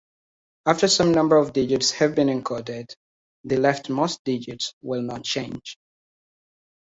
After some number of digits have been encoded, the leftmost digits will not change.